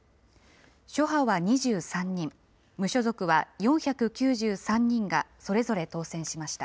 諸派は２３人、無所属は４９３人がそれぞれ当選しました。